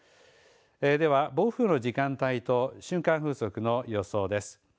では暴風の時間帯と瞬間風速の予想です。